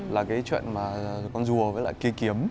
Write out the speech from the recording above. là cái chuyện mà con rùa với lại kia kiếm